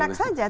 bukan enak saja